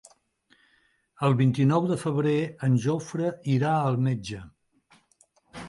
El vint-i-nou de febrer en Jofre irà al metge.